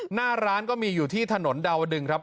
หน้าร้านก็มีอยู่ที่ถนนดาวดึงครับ